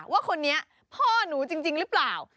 ว่าคนนี้พ่อหนูจริงหรือเปล่า